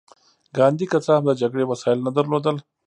ګاندي که څه هم د جګړې وسايل نه درلودل.